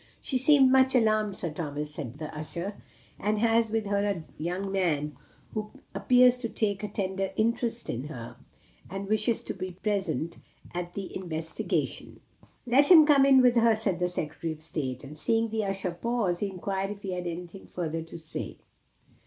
"She seems much alarmed, Sir Thomas," said the usher, "and has with her a young man, who appears to take a tender interest in her, and wishes to be present at the investigation." "Let him come in with her," said the Secretary of State. And seeing the usher pause, he inquired if he had anything further to say.